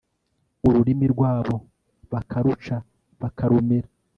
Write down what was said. ururimi rwabo bakaruca bakarumira